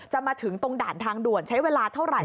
มาถึงตรงด่านทางด่วนใช้เวลาเท่าไหร่